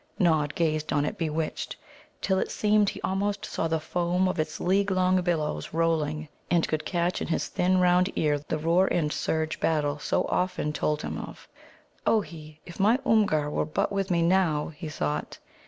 Nod gazed on it bewitched, till it seemed he almost saw the foam of its league long billows rolling, and could catch in his thin round ear the roar and surge Battle had so often told him of. "Ohé! if my Oomgar were but with me now!" he thought.